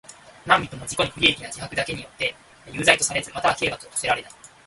何人（なんびと）も自己に不利益な自白だけによっては有罪とされず、または刑罰を科せられない。